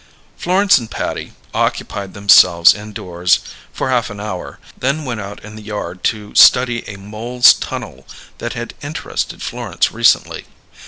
Florence and Patty occupied themselves indoors for half an hour; then went out in the yard to study a mole's tunnel that had interested Florence recently.